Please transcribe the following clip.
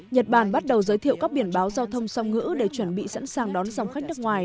nhật bản bắt đầu giới thiệu các biển báo giao thông song ngữ để chuẩn bị sẵn sàng đón dòng khách nước ngoài